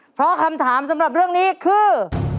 เพราะคำถามสำหรับเรื่องนี้คือ